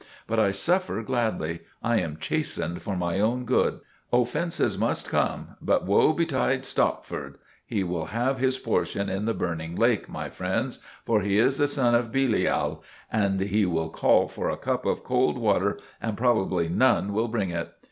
But I suffer gladly. I am chastened for my own good. Offences must come, but woe betide Stopford. He will have his portion in the burning lake, my friends, for he is a son of Belial; and he will call for a cup of cold water and probably none will bring it.